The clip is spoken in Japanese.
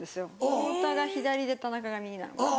太田が左で田中が右なのかな。